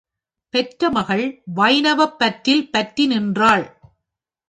பெற்ற மகள் வைணவப் பற்றில் பற்றி நின்றாள்.